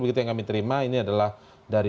begitu yang kami terima ini adalah dari